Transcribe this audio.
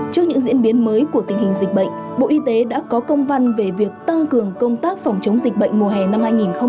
trước những diễn biến mới của tình hình dịch bệnh bộ y tế đã có công văn về việc tăng cường công tác phòng chống dịch bệnh mùa hè năm hai nghìn hai mươi